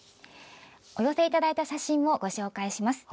お寄せいただいた写真をご紹介します。